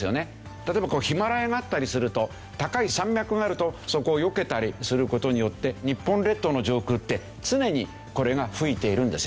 例えばこうヒマラヤがあったりすると高い山脈があるとそこをよけたりする事によって日本列島の上空って常にこれが吹いているんですよね。